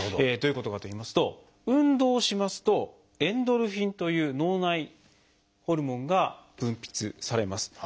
どういうことかといいますと運動をしますと「エンドルフィン」という脳内ホルモンが分泌されます。